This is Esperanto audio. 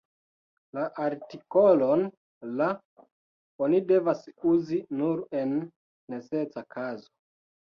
La artikolon "la" oni devas uzi nur en necesa kazo.